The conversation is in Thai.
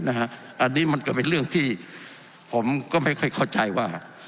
อันนี้มันก็เป็นเรื่องที่ผมก็ไม่ค่อยเข้าใจว่า